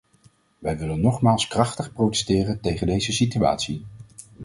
Wij willen nogmaals krachtig protesteren tegen deze situatie.